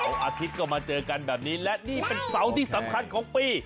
อาทิตย์ก็มาเจอกันแบบนี้และนี่เป็นเสาร์ที่สำคัญของปี